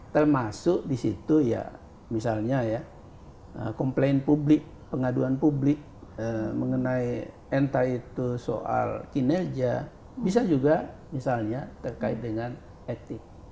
termasuk di situ ya misalnya ya komplain publik pengaduan publik mengenai entah itu soal kinerja bisa juga misalnya terkait dengan etik